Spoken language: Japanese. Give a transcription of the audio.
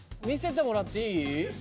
見せてもらっていい？